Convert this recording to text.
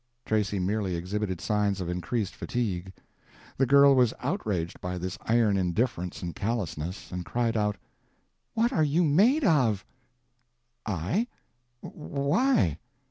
Tracy merely exhibited signs of increased fatigue. The girl was outraged by this iron indifference and callousness, and cried out— "What are you made of?" "I? Why?"